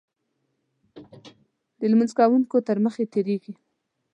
د لمونځ کوونکو تر مخې تېرېږي.